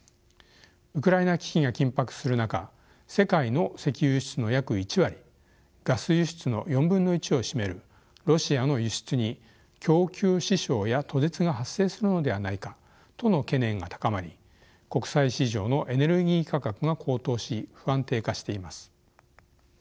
ウクライナ危機が緊迫する中世界の石油輸出の約１割ガス輸出の４分の１を占めるロシアの輸出に供給支障や途絶が発生するのではないかとの懸念が高まり国際市場のエネルギー価格が高騰し不安定化しています。